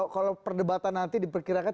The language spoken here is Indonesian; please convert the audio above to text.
kalau perdebatan nanti diperkirakan